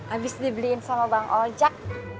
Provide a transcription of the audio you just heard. abis dibeliin sama bang ojek